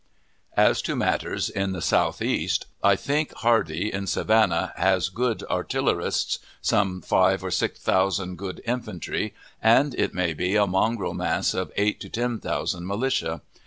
As to matters in the Southeast, I think Hardee, in Savannah, has good artillerists, some five or six thousand good infantry, and, it may be, a mongrel mass of eight to ten thousand militia.